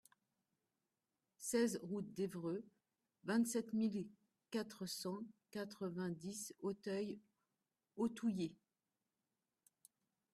seize route d'Evreux, vingt-sept mille quatre cent quatre-vingt-dix Autheuil-Authouillet